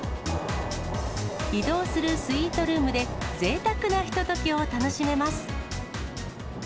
移動するスイートルームでぜいたくなひとときを楽しめます。